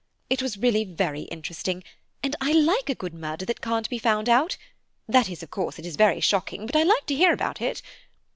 It was really very interesting, and I like a good murder that can't be found out; that is, of course, it is very shocking, but I like to hear about it.